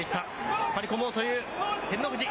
引っ張り込もうという照ノ富士。